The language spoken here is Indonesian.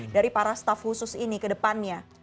dari para staff khusus ini ke depannya